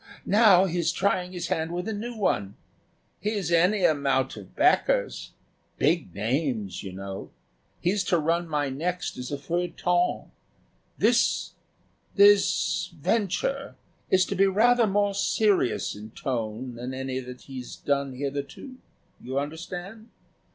Now he's trying his hand with a new one. He's any amount of backers big names, you know. He's to run my next as a feuilleton. This this venture is to be rather more serious in tone than any that he's done hitherto. You understand?"